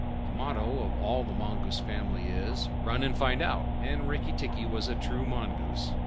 The motto of all the mongoose family is "Run and find out," and Rikki tikki was a true mongoose.